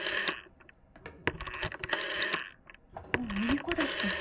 おっいりこだしだ。